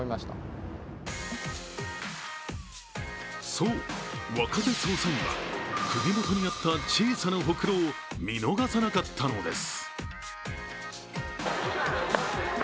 そう、若手捜査員は首元にあった小さなほくろを見逃さなかったのです。